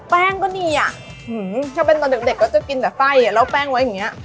แป้งก็ดีอ่ะถ้าเป็นตอนเด็กก็จะกินแต่ไส้แล้วแป้งไว้อย่างนี้